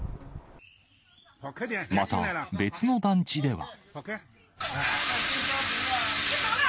また、別の団地では。